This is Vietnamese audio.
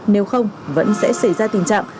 nếu không vẫn sẽ xảy ra tình trạng